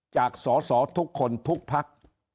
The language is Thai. จากสอสอทุกคนทุกพัก